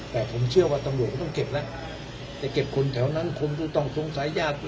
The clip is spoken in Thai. แต่ผมเชื่อว่าตำรวจก็ต้องเก็บแล้วไปเก็บคนแถวนั้นคงจะต้องสงสัยยาก